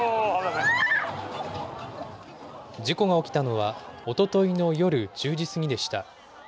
事故が起きたのは、おとといの夜１０時過ぎでした。